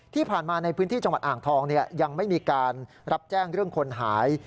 ที่ผ่านมาในพื้นที่จังหวัดอ่างทองยังไม่มีการรับแจ้งเรื่องคนหาย